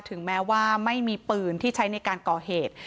ถึงแม้ว่าไม่มีปืนที่ใช้ในการก่อเหตุ